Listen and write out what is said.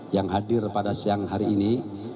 yang hadir pada siang hari ini